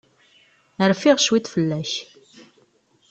Rfiɣ cwiṭ fell-ak.